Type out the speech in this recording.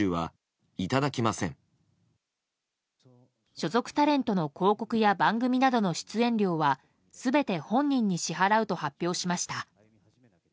所属タレントの広告や番組などの出演料は全て本人に支払うと発表しました。